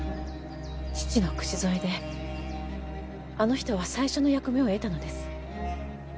父の口添えであの人は最初の役目を得たのです。